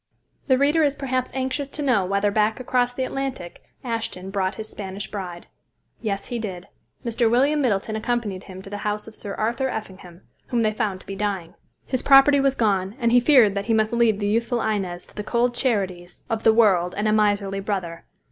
The reader is perhaps anxious to know whether back across the Atlantic, Ashton brought his Spanish bride. Yes, he did. Mr. William Middleton accompanied him to the house of Sir Arthur Effingham, whom they found to be dying; his property was gone, and he feared that he must leave the youthful Inez to the cold charities of the world and a miserly brother.